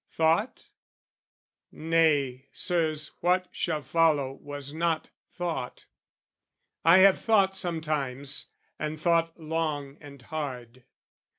"Thought?" nay, Sirs, what shall follow was not thought: I have thought sometimes, and thought long and hard.